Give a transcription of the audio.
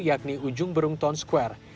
yakni ujung berung ton square